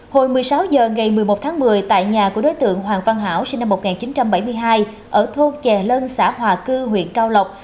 hồi một mươi sáu h ngày một mươi một tháng một mươi tại nhà của đối tượng hoàng văn hảo sinh năm một nghìn chín trăm bảy mươi hai ở thôn trè lân xã hòa cư huyện cao lộc